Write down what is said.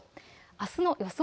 あすの予想